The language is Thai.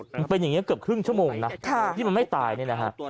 มันเป็นอย่างนี้เกือบครึ่งชั่วโมงนะที่มันไม่ตายเนี่ยนะฮะ